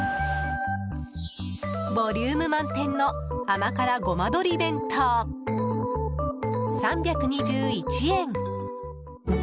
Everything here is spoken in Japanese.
ボリューム満点の甘辛ごま鶏弁当、３２１円。